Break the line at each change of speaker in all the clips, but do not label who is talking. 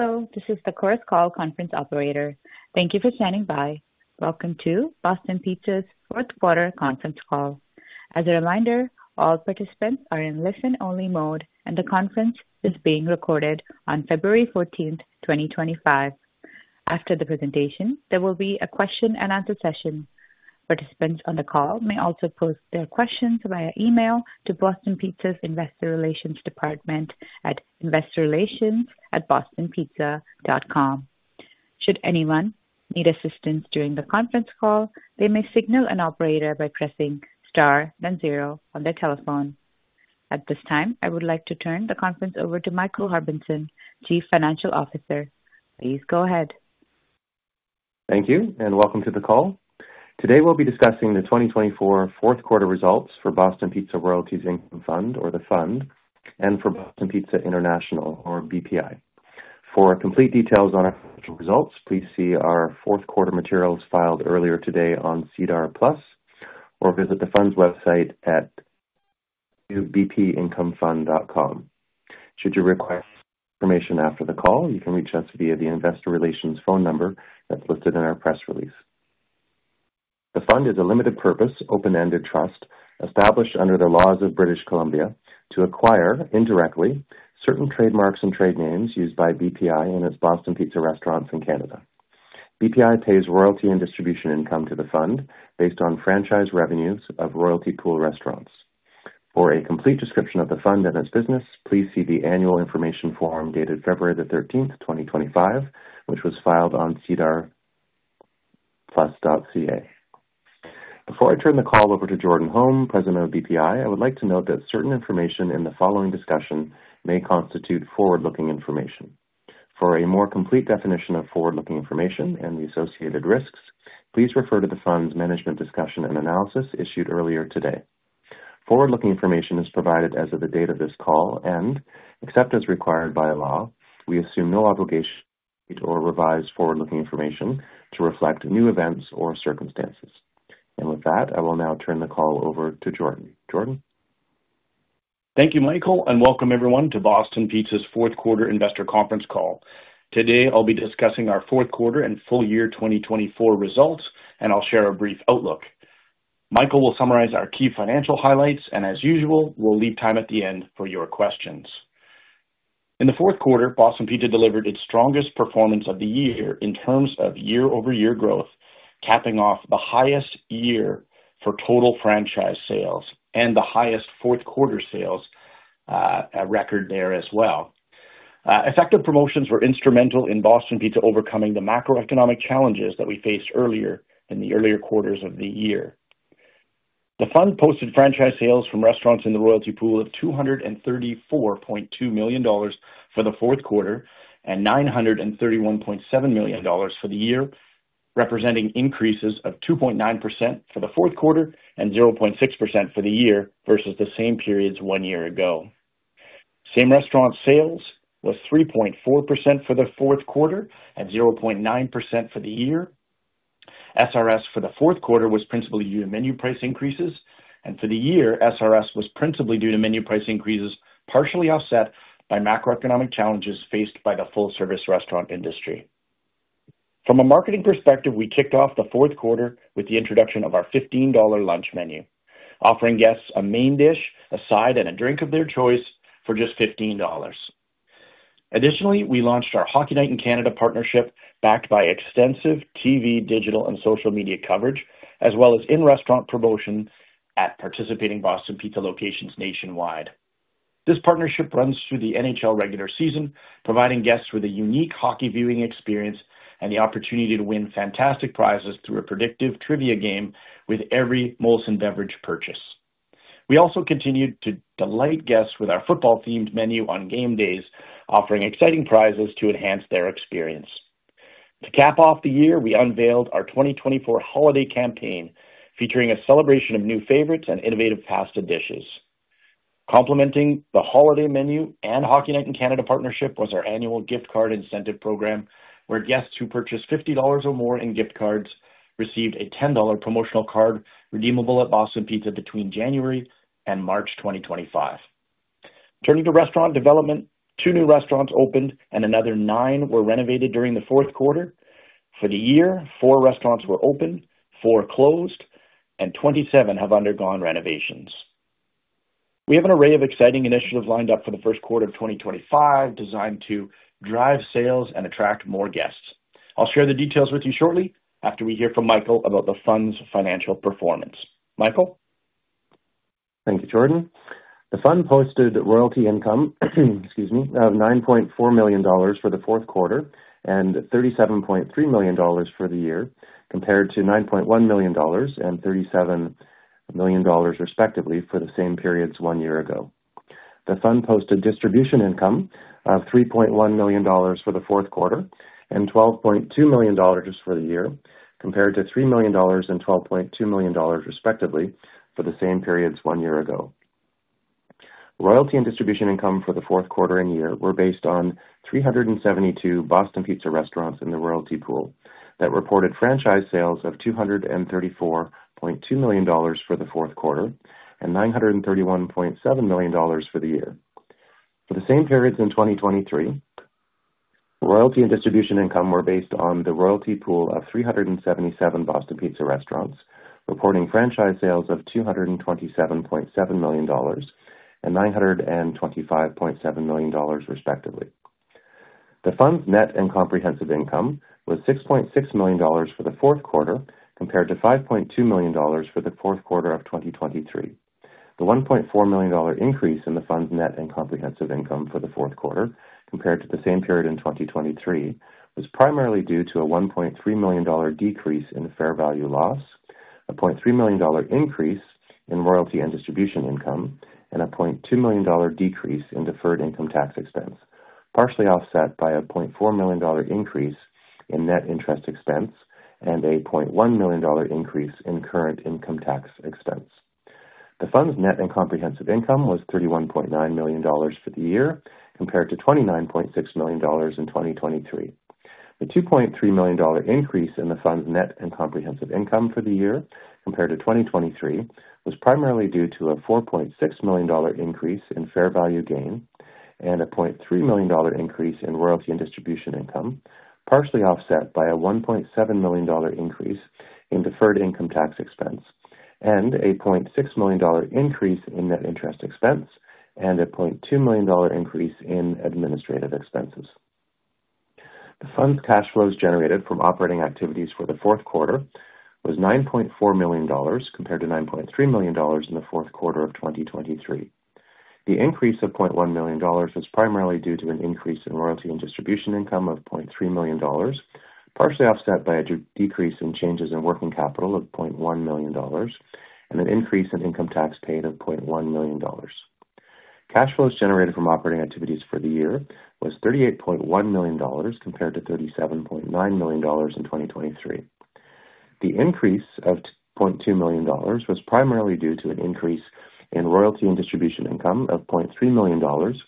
Hello, this is the conference call operator. Thank you for standing by. Welcome to Boston Pizza's fourth quarter conference call. As a reminder, all participants are in listen-only mode, and the conference is being recorded on February 14th, 2025. After the presentation, there will be a question-and-answer session. Participants on the call may also post their questions via email to Boston Pizza's Investor Relations Department at investorrelations@bostonpizza.com. Should anyone need assistance during the conference call, they may signal an operator by pressing star then zero on their telephone. At this time, I would like to turn the conference over to Michael Harbinson, Chief Financial Officer. Please go ahead.
Thank you, and welcome to the call. Today, we'll be discussing the 2024 fourth quarter results for Boston Pizza Royalties Income Fund, or the Fund, and for Boston Pizza International, or BPI. For complete details on our results, please see our fourth quarter materials filed earlier today on SEDAR+, or visit the Fund's website at bpincomefund.com. Should you request information after the call, you can reach us via the investor relations phone number that's listed in our press release. The Fund is a limited purpose, open-ended trust established under the laws of British Columbia to acquire, indirectly, certain trademarks and trade names used by BPI and its Boston Pizza restaurants in Canada. BPI pays royalty and distribution income to the Fund based on franchise revenues of royalty pool restaurants. For a complete description of the Fund and its business, please see the Annual Information Form dated February the 13th, 2025, which was filed on SEDAR+.ca. Before I turn the call over to Jordan Holm, President of BPI, I would like to note that certain information in the following discussion may constitute forward-looking information. For a more complete definition of forward-looking information and the associated risks, please refer to the Fund's Management's Discussion and Analysis issued earlier today. Forward-looking information is provided as of the date of this call and, except as required by law, we assume no obligation to revise forward-looking information to reflect new events or circumstances. With that, I will now turn the call over to Jordan. Jordan.
Thank you, Michael, and welcome everyone to Boston Pizza's fourth quarter investor conference call. Today, I'll be discussing our fourth quarter and full year 2024 results, and I'll share a brief outlook. Michael will summarize our key financial highlights, and as usual, we'll leave time at the end for your questions. In the fourth quarter, Boston Pizza delivered its strongest performance of the year in terms of year-over-year growth, capping off the highest year for total franchise sales and the highest fourth quarter sales record there as well. Effective promotions were instrumental in Boston Pizza overcoming the macroeconomic challenges that we faced earlier in the quarters of the year. The Fund posted Franchise Sales from restaurants in the Royalty Pool of 234.2 million dollars for the fourth quarter and 931.7 million dollars for the year, representing increases of 2.9% for the fourth quarter and 0.6% for the year versus the same periods one year ago. Same Restaurant Sales was 3.4% for the fourth quarter and 0.9% for the year. SRS for the fourth quarter was principally due to menu price increases, and for the year, SRS was principally due to menu price increases partially offset by macroeconomic challenges faced by the full-service restaurant industry. From a marketing perspective, we kicked off the fourth quarter with the introduction of our $15 Lunch Menu, offering guests a main dish, a side, and a drink of their choice for just $15. Additionally, we launched our Hockey Night in Canada partnership backed by extensive TV, digital, and social media coverage, as well as in-restaurant promotion at participating Boston Pizza locations nationwide. This partnership runs through the NHL regular season, providing guests with a unique hockey viewing experience and the opportunity to win fantastic prizes through a predictive trivia game with every Molson beverage purchase. We also continued to delight guests with our football-themed menu on game days, offering exciting prizes to enhance their experience. To cap off the year, we unveiled our 2024 holiday campaign, featuring a celebration of new favorites and innovative pasta dishes. Complementing the holiday menu and Hockey Night in Canada partnership was our annual gift card incentive program, where guests who purchased 50 dollars or more in gift cards received a 10 dollar promotional card redeemable at Boston Pizza between January and March 2025. Turning to restaurant development, two new restaurants opened and another nine were renovated during the fourth quarter. For the year, four restaurants were open, four closed, and 27 have undergone renovations. We have an array of exciting initiatives lined up for the first quarter of 2025 designed to drive sales and attract more guests. I'll share the details with you shortly after we hear from Michael about the Fund's financial performance. Michael.
Thank you, Jordan. The Fund posted royalty income, excuse me, of 9.4 million dollars for the fourth quarter and 37.3 million dollars for the year, compared to 9.1 million dollars and 37 million dollars respectively for the same periods one year ago. The Fund posted distribution income of 3.1 million dollars for the fourth quarter and 12.2 million dollars for the year, compared to 3 million dollars and 12.2 million dollars respectively for the same periods one year ago. Royalty and distribution income for the fourth quarter and year were based on 372 Boston Pizza restaurants in the royalty pool that reported franchise sales of 234.2 million dollars for the fourth quarter and 931.7 million dollars for the year. For the same periods in 2023, royalty and distribution income were based on the royalty pool of 377 Boston Pizza restaurants, reporting franchise sales of CAD 227.7 million and CAD 925.7 million respectively. The Fund's net and comprehensive income was CAD 6.6 million for the fourth quarter, compared to CAD 5.2 million for the fourth quarter of 2023. The CAD 1.4 million increase in the Fund's net and comprehensive income for the fourth quarter, compared to the same period in 2023, was primarily due to a 1.3 million dollar decrease in fair value loss, a 0.3 million dollar increase in royalty and distribution income, and a 0.2 million dollar decrease in deferred income tax expense, partially offset by a 0.4 million dollar increase in net interest expense and a 0.1 million dollar increase in current income tax expense. The Fund's net and comprehensive income was 31.9 million dollars for the year, compared to 29.6 million dollars in 2023. The 2.3 million dollar increase in the Fund's net and comprehensive income for the year, compared to 2023, was primarily due to a 4.6 million dollar increase in fair value gain and a 0.3 million dollar increase in royalty and distribution income, partially offset by a 1.7 million dollar increase in deferred income tax expense, and a 0.6 million dollar increase in net interest expense, and a 0.2 million dollar increase in administrative expenses. The Fund's cash flows generated from operating activities for the fourth quarter was 9.4 million dollars, compared to 9.3 million dollars in the fourth quarter of 2023. The increase of 0.1 million dollars was primarily due to an increase in royalty and distribution income of 0.3 million dollars, partially offset by a decrease in changes in working capital of 0.1 million dollars, and an increase in income tax paid of 0.1 million dollars. Cash flows generated from operating activities for the year was 38.1 million dollars, compared to 37.9 million dollars in 2023. The increase of 0.2 million dollars was primarily due to an increase in royalty and distribution income of 0.3 million dollars,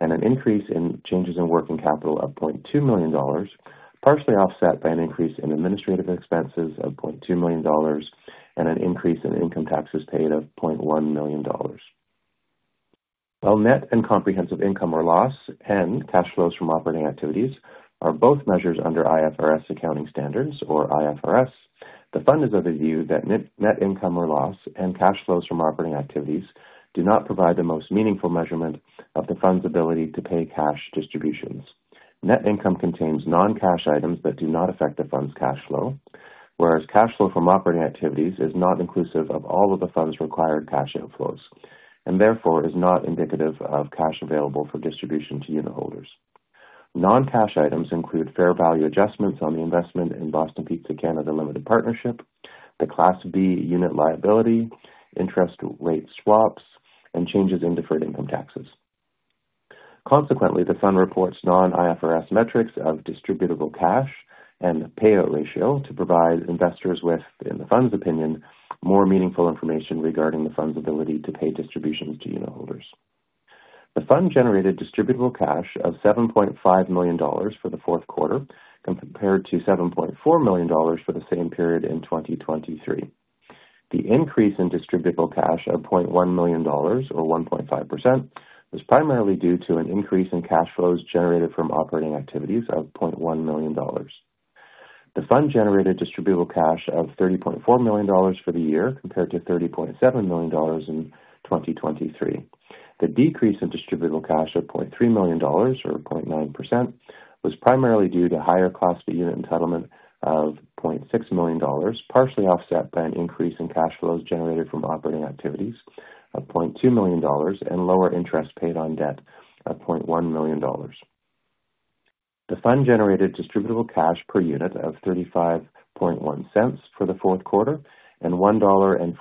and an increase in changes in working capital of 0.2 million dollars, partially offset by an increase in administrative expenses of 0.2 million dollars, and an increase in income taxes paid of 0.1 million dollars. While net and comprehensive income or loss and cash flows from operating activities are both measures under IFRS accounting standards, or IFRS, the Fund is of the view that net income or loss and cash flows from operating activities do not provide the most meaningful measurement of the Fund's ability to pay cash distributions. Net income contains non-cash items that do not affect the Fund's cash flow, whereas cash flow from operating activities is not inclusive of all of the Fund's required cash inflows, and therefore is not indicative of cash available for distribution to unit holders. Non-cash items include fair value adjustments on the investment in Boston Pizza Canada Limited Partnership, the Class B unit liability, interest rate swaps, and changes in deferred income taxes. Consequently, the Fund reports non-IFRS metrics of distributable cash and payout ratio to provide investors with, in the Fund's opinion, more meaningful information regarding the Fund's ability to pay distributions to unit holders. The Fund generated distributable cash of 7.5 million dollars for the fourth quarter, compared to 7.4 million dollars for the same period in 2023. The increase in Distributable Cash of 0.1 million dollars, or 1.5%, was primarily due to an increase in cash flows generated from operating activities of 0.1 million dollars. The Fund generated Distributable Cash of 30.4 million dollars for the year, compared to 30.7 million dollars in 2023. The decrease in Distributable Cash of 0.3 million dollars, or 0.9%, was primarily due to higher cost of Unit Entitlement of 0.6 million dollars, partially offset by an increase in cash flows generated from operating activities of 0.2 million dollars, and lower interest paid on debt of 0.1 million dollars. The Fund generated Distributable Cash per unit of 0.351 for the fourth quarter and 1.429 dollar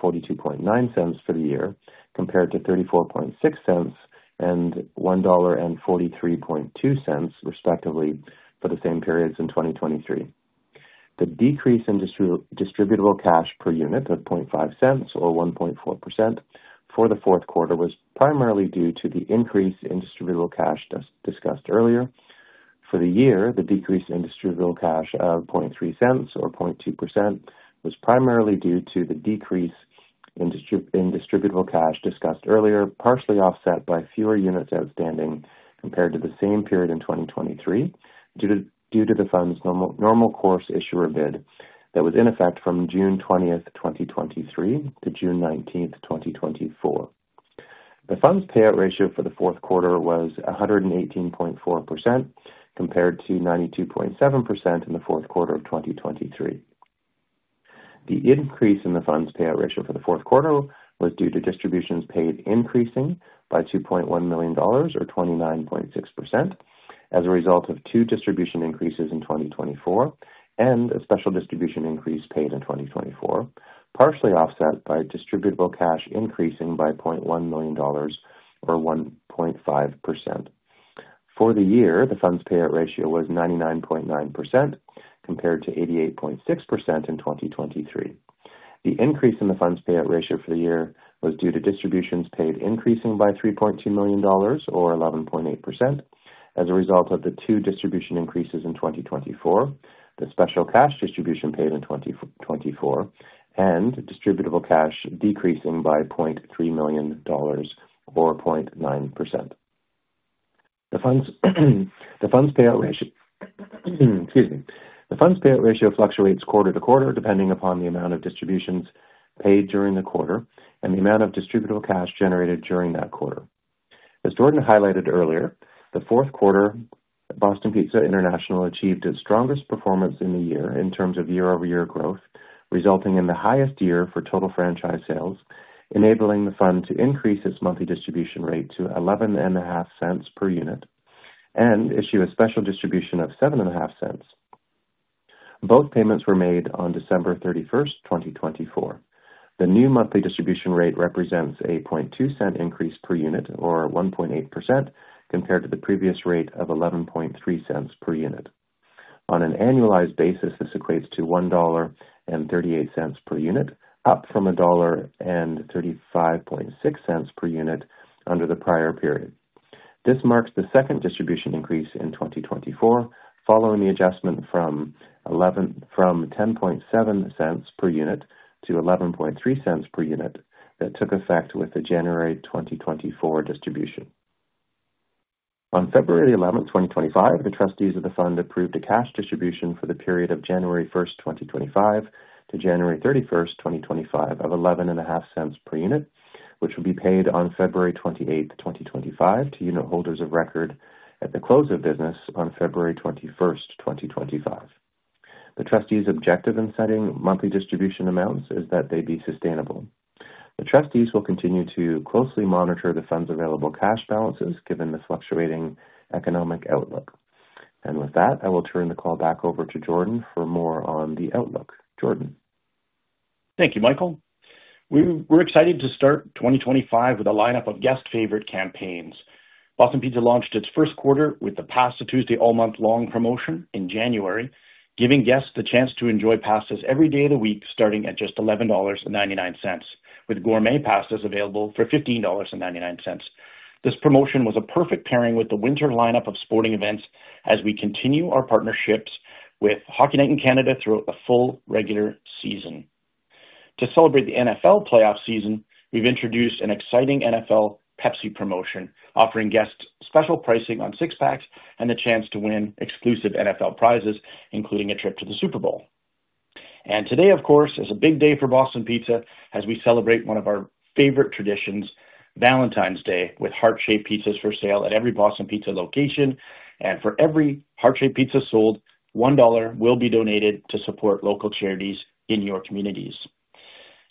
for the year, compared to 0.346 and 1.432 dollar respectively for the same periods in 2023. The decrease in Distributable Cash per unit of 0.05, or 1.4%, for the fourth quarter was primarily due to the increase in Distributable Cash discussed earlier. For the year, the decrease in distributable cash of 0.03, or 0.2%, was primarily due to the decrease in distributable cash discussed earlier, partially offset by fewer units outstanding compared to the same period in 2023 due to the Fund's normal course issuer bid that was in effect from June 20th, 2023, to June 19th, 2024. The Fund's payout ratio for the fourth quarter was 118.4%, compared to 92.7% in the fourth quarter of 2023. The increase in the Fund's payout ratio for the fourth quarter was due to distributions paid increasing by 2.1 million dollars, or 29.6%, as a result of two distribution increases in 2024 and a special distribution increase paid in 2024, partially offset by distributable cash increasing by 0.1 million dollars, or 1.5%. For the year, the Fund's payout ratio was 99.9%, compared to 88.6% in 2023. The increase in the Fund's payout ratio for the year was due to distributions paid increasing by 3.2 million dollars, or 11.8%, as a result of the two distribution increases in 2024, the special cash distribution paid in 2024, and distributable cash decreasing by 0.3 million dollars, or 0.9%. The Fund's payout ratio fluctuates quarter to quarter, depending upon the amount of distributions paid during the quarter and the amount of distributable cash generated during that quarter. As Jordan highlighted earlier, the fourth quarter, Boston Pizza International achieved its strongest performance in the year in terms of year-over-year growth, resulting in the highest year for total franchise sales, enabling the Fund to increase its monthly distribution rate to 0.11 per unit and issue a special distribution of 0.07. Both payments were made on December 31st, 2024. The new monthly distribution rate represents a 0.002 increase per unit, or 1.8%, compared to the previous rate of 0.113 per unit. On an annualized basis, this equates to 1.38 dollar per unit, up from 1.356 dollar per unit under the prior period. This marks the second distribution increase in 2024, following the adjustment from 0.107 per unit to 0.113 per unit that took effect with the January 2024 distribution. On February 11th, 2025, the trustees of the Fund approved a cash distribution for the period of January 1st, 2025, to January 31st, 2025, of 0.115 per unit, which will be paid on February 28th, 2025, to unitholders of record at the close of business on February 21st, 2025. The trustees' objective in setting monthly distribution amounts is that they be sustainable. The trustees will continue to closely monitor the Fund's available cash balances, given the fluctuating economic outlook. With that, I will turn the call back over to Jordan for more on the outlook. Jordan.
Thank you, Michael. We're excited to start 2025 with a lineup of guest-favorite campaigns. Boston Pizza launched its first quarter with the Pasta Tuesday all-month-long promotion in January, giving guests the chance to enjoy pastas every day of the week, starting at just 11.99 dollars, with gourmet pastas available for 15.99 dollars. This promotion was a perfect pairing with the winter lineup of sporting events as we continue our partnerships with Hockey Night in Canada throughout the full regular season. To celebrate the NFL playoff season, we've introduced an exciting NFL Pepsi promotion, offering guests special pricing on six-packs and the chance to win exclusive NFL prizes, including a trip to the Super Bowl, and today, of course, is a big day for Boston Pizza as we celebrate one of our favorite traditions, Valentine's Day, with heart-shaped pizzas for sale at every Boston Pizza location. For every heart-shaped pizza sold, 1 dollar will be donated to support local charities in your communities.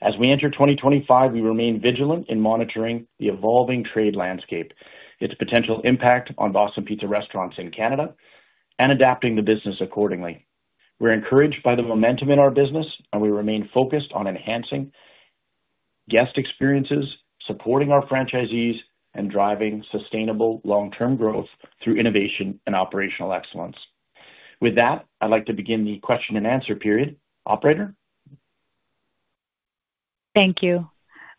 As we enter 2025, we remain vigilant in monitoring the evolving trade landscape, its potential impact on Boston Pizza restaurants in Canada, and adapting the business accordingly. We're encouraged by the momentum in our business, and we remain focused on enhancing guest experiences, supporting our franchisees, and driving sustainable long-term growth through innovation and operational excellence. With that, I'd like to begin the question and answer period. Operator?
Thank you.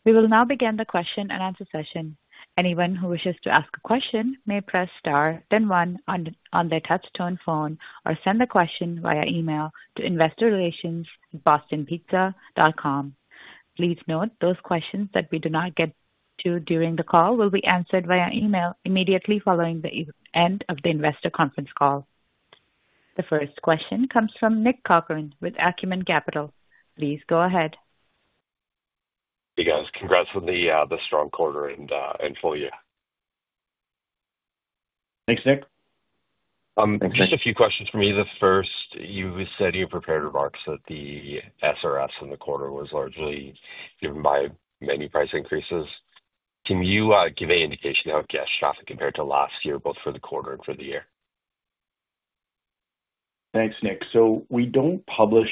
We will now begin the question and answer session. Anyone who wishes to ask a question may press star then one on their touch-tone phone or send the question via email to investorrelations@bostonpizza.com. Please note those questions that we do not get to during the call will be answered via email immediately following the end of the investor conference call. The first question comes from Nick Corcoran with Acumen Capital. Please go ahead.
Hey, guys. Congrats on the strong quarter and full year.
Thanks, Nick.
Just a few questions for me. The first, you said in your prepared remarks that the SRS in the quarter was largely driven by menu price increases. Can you give any indication of guest traffic compared to last year, both for the quarter and for the year?
Thanks, Nick. So we don't publish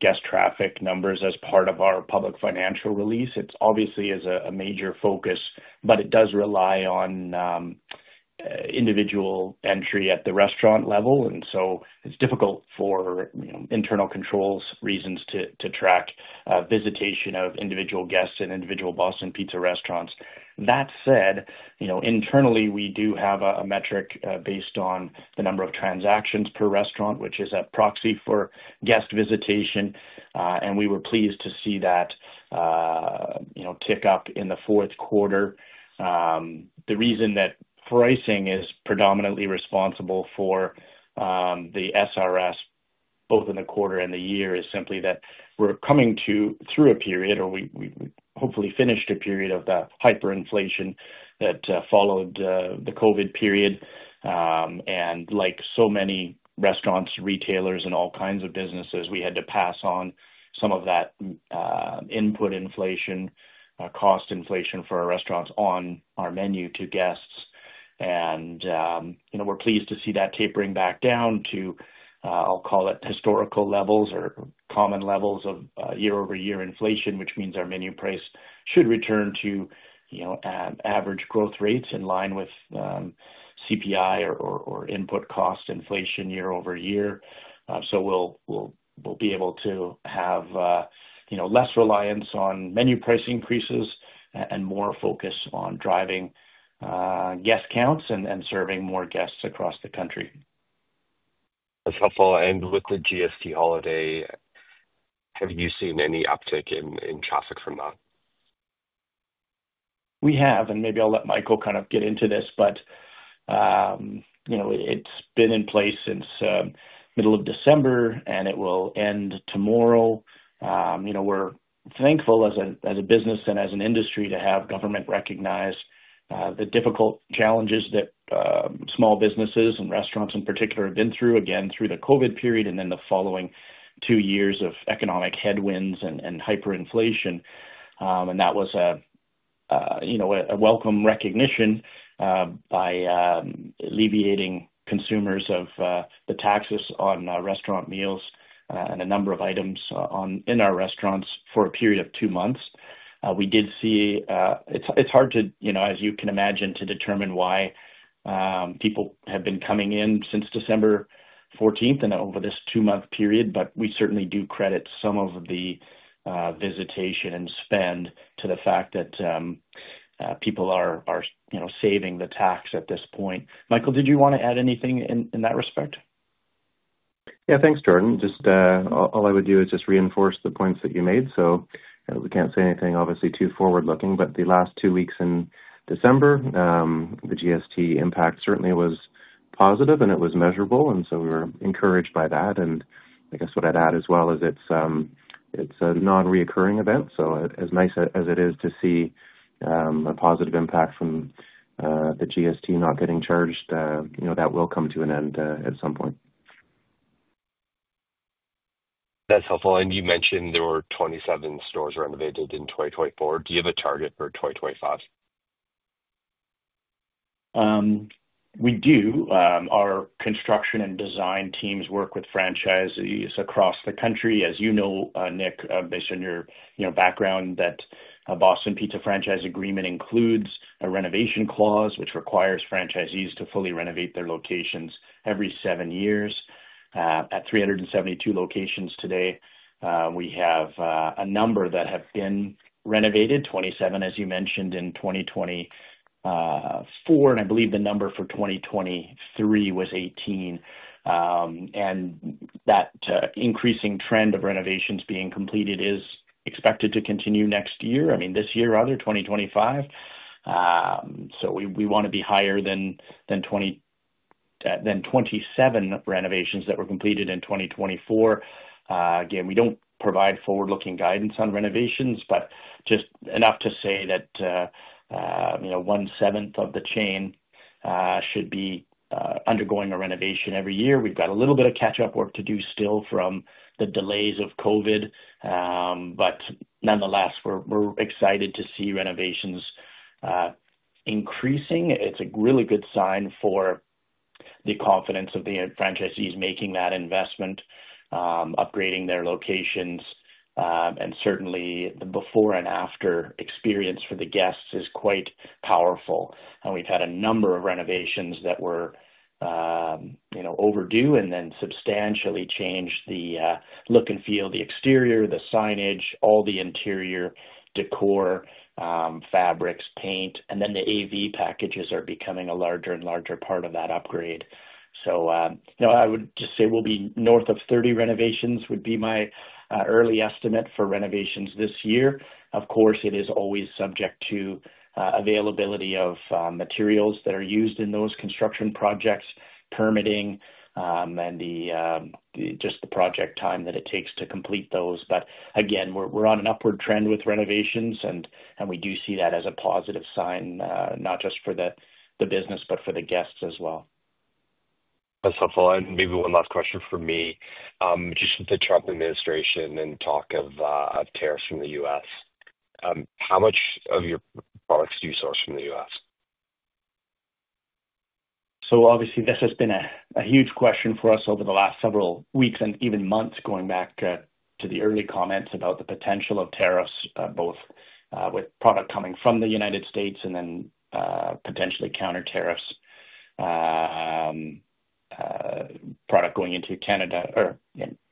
guest traffic numbers as part of our public financial release. It obviously is a major focus, but it does rely on individual entry at the restaurant level. And so it's difficult for internal controls reasons to track visitation of individual guests and individual Boston Pizza restaurants. That said, internally, we do have a metric based on the number of transactions per restaurant, which is a proxy for guest visitation. And we were pleased to see that tick up in the fourth quarter. The reason that pricing is predominantly responsible for the SRS both in the quarter and the year is simply that we're coming to, through a period, or we hopefully finished a period of the hyperinflation that followed the COVID period. Like so many restaurants, retailers, and all kinds of businesses, we had to pass on some of that input inflation, cost inflation for our restaurants on our menu to guests. We're pleased to see that tapering back down to, I'll call it, historical levels or common levels of year-over-year inflation, which means our menu price should return to average growth rates in line with CPI or input cost inflation year-over-year. We'll be able to have less reliance on menu price increases and more focus on driving guest counts and serving more guests across the country.
That's helpful. And with the GST holiday, have you seen any uptick in traffic from that?
We have. And maybe I'll let Michael kind of get into this, but it's been in place since the middle of December, and it will end tomorrow. We're thankful as a business and as an industry to have government recognize the difficult challenges that small businesses and restaurants in particular have been through, again, through the COVID period and then the following two years of economic headwinds and hyperinflation. And that was a welcome recognition by alleviating consumers of the taxes on restaurant meals and a number of items in our restaurants for a period of two months. We did see. It's hard to, as you can imagine, to determine why people have been coming in since December 14th and over this two-month period, but we certainly do credit some of the visitation and spend to the fact that people are saving the tax at this point. Michael, did you want to add anything in that respect?
Yeah, thanks, Jordan. Just all I would do is just reinforce the points that you made. So we can't say anything, obviously, too forward-looking, but the last two weeks in December, the GST impact certainly was positive, and it was measurable. And so we were encouraged by that. And I guess what I'd add as well is it's a non-recurring event. So as nice as it is to see a positive impact from the GST not getting charged, that will come to an end at some point.
That's helpful. And you mentioned there were 27 stores renovated in 2024. Do you have a target for 2025?
We do. Our construction and design teams work with franchisees across the country. As you know, Nick, based on your background, that Boston Pizza Franchise Agreement includes a renovation clause, which requires franchisees to fully renovate their locations every seven years. At 372 locations today, we have a number that have been renovated, 27, as you mentioned, in 2024. And I believe the number for 2023 was 18. And that increasing trend of renovations being completed is expected to continue next year, I mean, this year, rather, 2025. So we want to be higher than 27 renovations that were completed in 2024. Again, we don't provide forward-looking guidance on renovations, but just enough to say that one-seventh of the chain should be undergoing a renovation every year. We've got a little bit of catch-up work to do still from the delays of COVID. But nonetheless, we're excited to see renovations increasing. It's a really good sign for the confidence of the franchisees making that investment, upgrading their locations. And certainly, the before and after experience for the guests is quite powerful. And we've had a number of renovations that were overdue and then substantially changed the look and feel, the exterior, the signage, all the interior decor, fabrics, paint. And then the AV packages are becoming a larger and larger part of that upgrade. So I would just say we'll be north of 30 renovations would be my early estimate for renovations this year. Of course, it is always subject to availability of materials that are used in those construction projects, permitting, and just the project time that it takes to complete those. But again, we're on an upward trend with renovations, and we do see that as a positive sign, not just for the business, but for the guests as well.
That's helpful, and maybe one last question for me, just with the Trump administration and talk of tariffs from the U.S., how much of your products do you source from the U.S.?
So obviously, this has been a huge question for us over the last several weeks and even months, going back to the early comments about the potential of tariffs, both with product coming from the United States and then potentially counter-tariffs, product going into Canada, or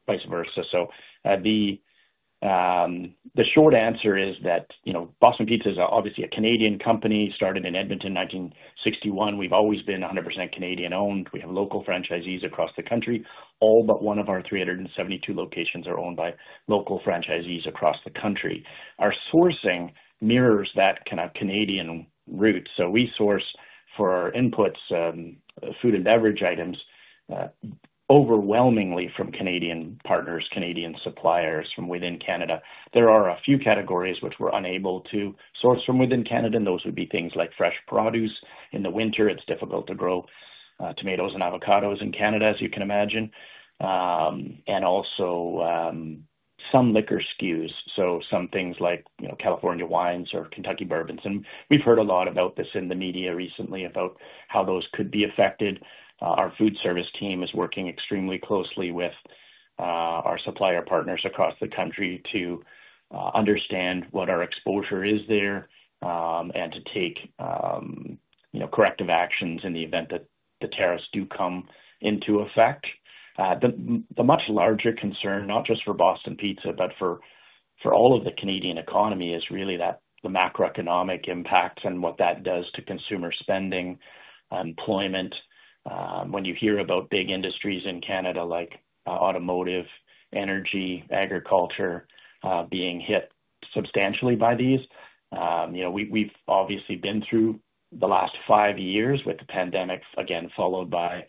vice versa. So the short answer is that Boston Pizza is obviously a Canadian company started in Edmonton in 1961. We've always been 100% Canadian-owned. We have local franchisees across the country. All but one of our 372 locations are owned by local franchisees across the country. Our sourcing mirrors that kind of Canadian route. So we source for our inputs, food and beverage items, overwhelmingly from Canadian partners, Canadian suppliers from within Canada. There are a few categories which we're unable to source from within Canada, and those would be things like fresh produce. In the winter, it's difficult to grow tomatoes and avocados in Canada, as you can imagine. And also some liquor SKUs, so some things like California wines or Kentucky bourbons. And we've heard a lot about this in the media recently about how those could be affected. Our food service team is working extremely closely with our supplier partners across the country to understand what our exposure is there and to take corrective actions in the event that the tariffs do come into effect. The much larger concern, not just for Boston Pizza, but for all of the Canadian economy, is really the macroeconomic impacts and what that does to consumer spending, employment. When you hear about big industries in Canada, like automotive, energy, agriculture, being hit substantially by these, we've obviously been through the last five years with the pandemic, again, followed by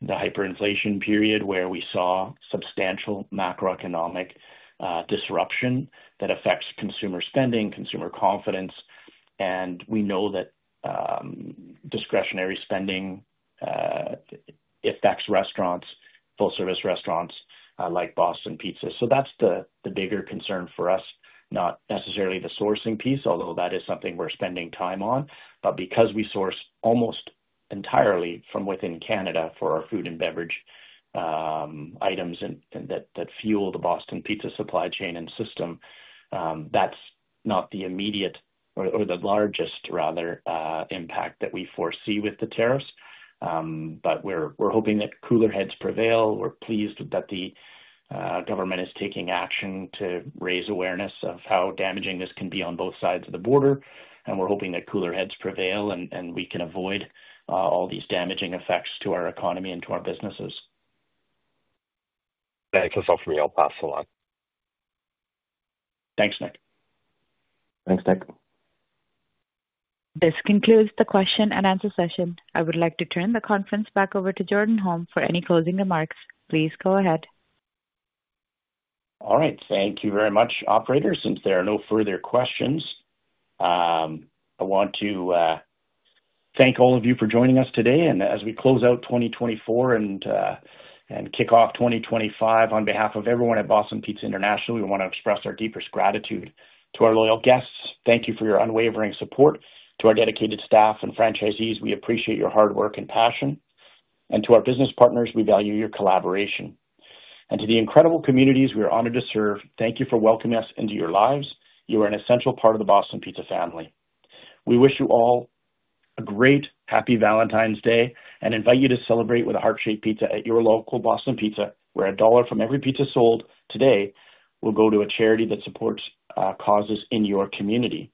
the hyperinflation period where we saw substantial macroeconomic disruption that affects consumer spending, consumer confidence, and we know that discretionary spending affects restaurants, full-service restaurants like Boston Pizza, so that's the bigger concern for us, not necessarily the sourcing piece, although that is something we're spending time on, but because we source almost entirely from within Canada for our food and beverage items that fuel the Boston Pizza supply chain and system, that's not the immediate or the largest, rather, impact that we foresee with the tariffs, but we're hoping that cooler heads prevail. We're pleased that the government is taking action to raise awareness of how damaging this can be on both sides of the border. We're hoping that cooler heads prevail and we can avoid all these damaging effects to our economy and to our businesses.
Thanks. That's all from me. I'll pass the line.
Thanks, Nick.
Thanks, Nick.
This concludes the question and answer session. I would like to turn the conference back over to Jordan Holm for any closing remarks. Please go ahead.
All right. Thank you very much, operators. Since there are no further questions, I want to thank all of you for joining us today, and as we close out 2024 and kick off 2025, on behalf of everyone at Boston Pizza International, we want to express our deepest gratitude to our loyal guests. Thank you for your unwavering support to our dedicated staff and franchisees. We appreciate your hard work and passion, and to our business partners, we value your collaboration, and to the incredible communities we are honored to serve, thank you for welcoming us into your lives. You are an essential part of the Boston Pizza family. We wish you all a great, happy Valentine's Day and invite you to celebrate with a heart-shaped pizza at your local Boston Pizza, where CAD 1 from every pizza sold today will go to a charity that supports causes in your community.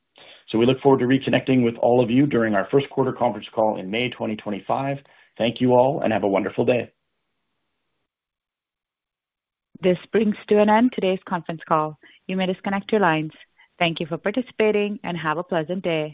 So we look forward to reconnecting with all of you during our first quarter conference call in May 2025. Thank you all, and have a wonderful day.
This brings to an end today's conference call. You may disconnect your lines. Thank you for participating and have a pleasant day.